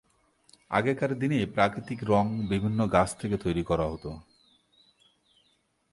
আগেকার দিনে প্রাকৃতিক রঙ বিভিন্ন গাছ থেকে তৈরি করা হত।